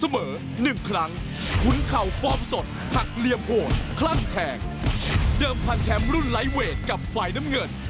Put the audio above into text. มวยพันโหดทะเลครั้ง